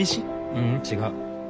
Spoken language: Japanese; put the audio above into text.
ううん違う。